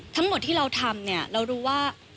ทั้งหมดที่เราทำเนี่ยเรารู้ว่า